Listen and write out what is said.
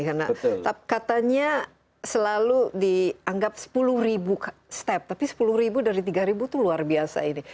karena katanya selalu dianggap sepuluh step tapi sepuluh dari tiga itu luar biasa ini